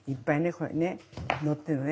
これね載ってるのね。